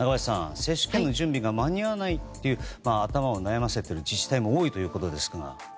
接種券の準備が間に合わないという頭を悩ませている自治体も多いということですが。